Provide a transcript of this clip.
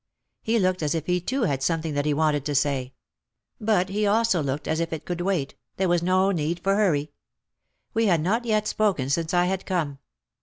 He looked as if he too had something that he wanted to say. But he also looked as if it could wait, there was no need for hurry. We had not yet spoken since I had come.